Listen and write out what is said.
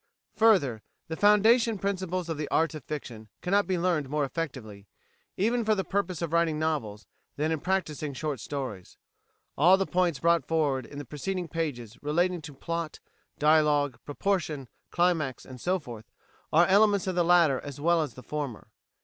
Further, the foundation principles of the art of fiction cannot be learned more effectively, even for the purpose of writing novels, than in practising short stories. All the points brought forward in the preceding pages relating to plot, dialogue, proportion, climax, and so forth, are elements of the latter as well as of the former.